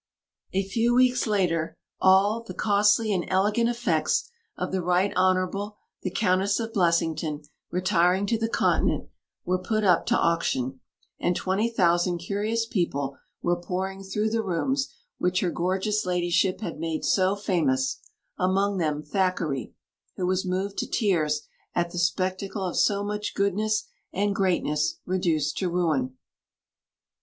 A few weeks later, all "the costly and elegant effects of the Right Honourable, the Countess of Blessington, retiring to the Continent" were put up to auction; and twenty thousand curious people were pouring through the rooms which her gorgeous ladyship had made so famous among them Thackeray, who was moved to tears at the spectacle of so much goodness and greatness reduced to ruin.